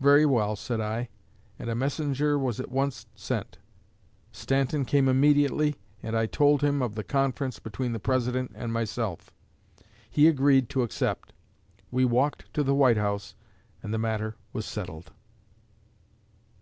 'Very well,' said I, and a messenger was at once sent. Stanton came immediately, and I told him of the conference between the President and myself. He agreed to accept. We walked to the White House, and the matter was settled.